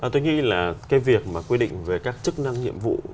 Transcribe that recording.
tôi nghĩ là cái việc mà quy định về các chức năng nhiệm vụ